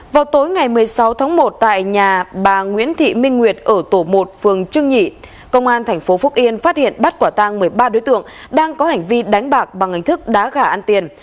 vào tối ngày một mươi sáu tháng một tại nhà bà nguyễn thị minh nguyệt ở tổ một phường trương nhị công an tp phúc yên phát hiện bắt quả tang một mươi ba đối tượng đang có hành vi đánh bạc bằng hình thức đá gà ăn tiền